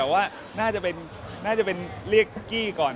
แต่ว่าน่าจะเป็นเรียกกี้ก่อน